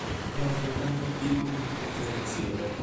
È altrettanto attivo come conferenziere.